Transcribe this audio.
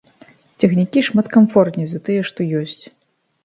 Цягнікі шмат камфортней за тыя, што ёсць.